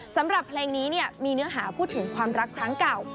สำหรับเพลงนี้มีเนื้อหาพูดถึงความรักครั้งเก่า